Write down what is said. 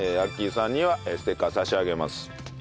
さんにはステッカー差し上げます。